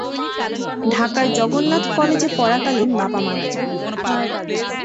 ঢাকার জগন্নাথ কলেজে পড়াকালীন বাবা মারা যান।